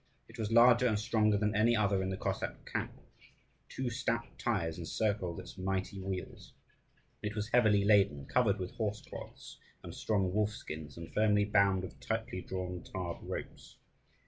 It was larger and stronger than any other in the Cossack camp; two stout tires encircled its mighty wheels. It was heavily laden, covered with horsecloths and strong wolf skins, and firmly bound with tightly drawn tarred ropes.